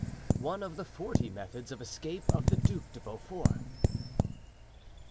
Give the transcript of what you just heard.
One of the Forty Methods of Escape of the Duc de Beaufort.